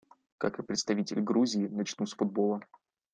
Как и представитель Грузии, начну с футбола.